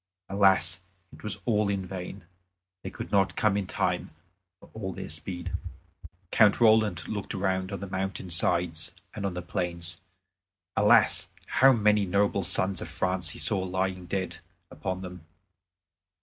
Alas! it was all in vain; they could not come in time for all their speed. Count Roland looked round on the mountain sides and on the plains. Alas! how many noble sons of France he saw lying dead upon them!